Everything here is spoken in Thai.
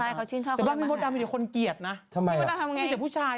ใช่เขาชื่นชอบคนนั้นมาก